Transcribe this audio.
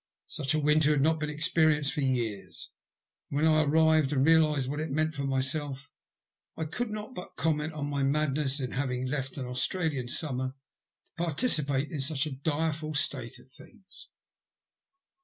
Such a winter had not been experienced for years, and when I arrived and realised what it meant for myself, I could not but comment on my madness in having left an Australian summer to participate in such a direful state of things.